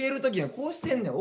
こうしてんねん。